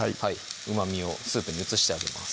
うまみをスープに移してあげます